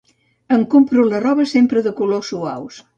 Em compro la roba sempre de colors suaus.